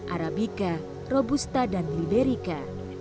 arabika robusta dan liberika